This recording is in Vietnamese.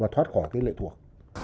khỏi cái lệ thuộc